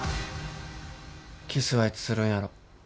キスはいつするんやろ。